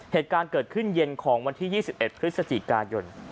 เหตุการณ์เกิดขึ้นเย็นของวันที่๒๑พฤศจิกายน